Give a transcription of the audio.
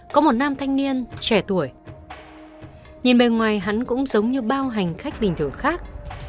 có một nam thanh niên trẻ tuổi nhìn bề ngoài hắn cũng giống như bao hành khách bình thường khác